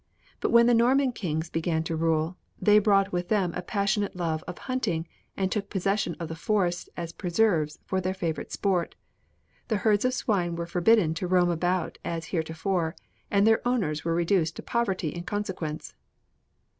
But when the Norman kings began to rule, they brought with them a passionate love of hunting and took possession of the forests as preserves for their favorite sport. The herds of swine were forbidden to roam about as heretofore, and their owners were reduced to poverty in consequence."